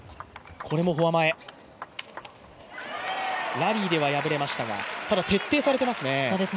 ラリーでは敗れましたが、徹底されてますね。